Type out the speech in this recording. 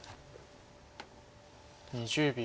２０秒。